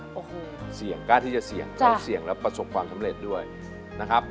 โอ้โหเสี่ยงกล้าที่จะเสี่ยงแล้วประสบความสำเร็จด้วยนะครับ